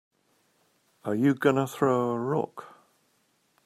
Are you gonna throw a rock?